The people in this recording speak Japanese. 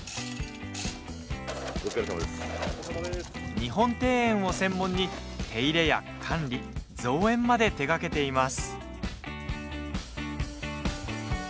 日本庭園を専門に手入れや管理造園まで手がけています。